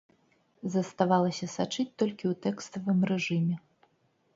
Заставалася сачыць толькі ў тэкставым рэжыме.